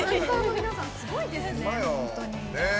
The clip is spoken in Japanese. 皆さん、すごいですね。